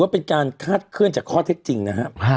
เป็นการคาดเคลื่อนจากข้อเท็จจริงนะครับ